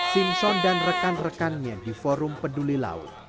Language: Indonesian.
simpson dan rekan rekannya di forum peduli laut